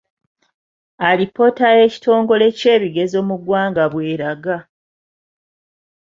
Alipoota y’ekitongole ky'ebigezo mu gwanga bwe yalaga.